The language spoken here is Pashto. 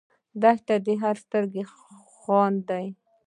دښته د هر سترګو خوند دی.